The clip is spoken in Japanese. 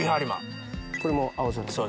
これも合わせます。